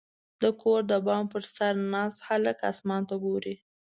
• د کور د بام پر سر ناست هلک اسمان ته ګوري.